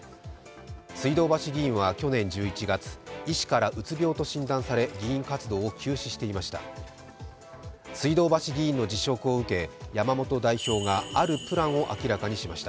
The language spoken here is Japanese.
水道橋議員は去年１１月、医師からうつ病と診断され、議員活動を休止していました。